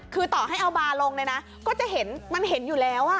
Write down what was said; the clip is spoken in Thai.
คือต่อให้เอาบาร์ลงเนี่ยนะก็จะเห็นมันเห็นอยู่แล้ว